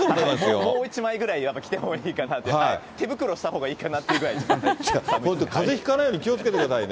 もう１枚ぐらい着たほうがいいかなと、手袋したほうがいいかかぜひかないように気をつけてくださいね。